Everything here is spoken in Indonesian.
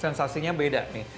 rasanya beda nih